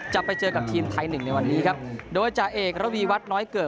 จะไปเจอกับทีมไทยหนึ่งในวันนี้ครับโดยจ่าเอกระวีวัดน้อยเกิด